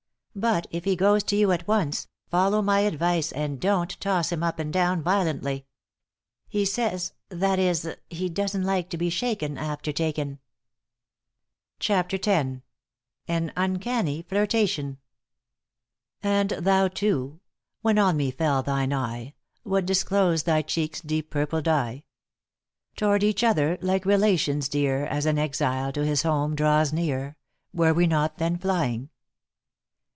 But if he goes to you at once, follow my advice and don't toss him up and down violently. He says that is, he doesn't like to be shaken after taken." *CHAPTER X.* *AN UNCANNY FLIRTATION.* And thou, too when on me fell thine eye, What disclos'd thy cheek's deep purple dye? Tow'rd each other, like relations dear, As an exile to his home draws near, Were we not then flying?